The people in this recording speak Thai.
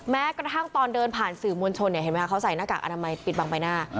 แม้ตั้งตอนเดินผ่านสื่อมวลชนเนี่ยเมื่อเขาใส่หน้ากากอนามัยปิดบังไปหน้า